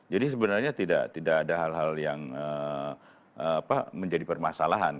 jadi sebenarnya tidak ada hal hal yang menjadi permasalahan